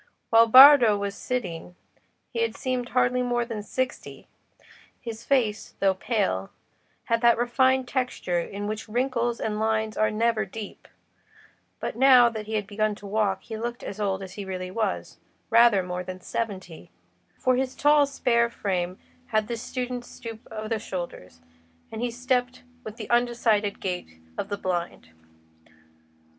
While Bardo had been sitting, he had seemed hardly more than sixty: his face, though pale, had that refined texture in which wrinkles and lines are never deep; but now that he began to walk he looked as old as he really was—rather more than seventy; for his tall spare frame had the student's stoop of the shoulders, and he stepped with the undecided gait of the blind.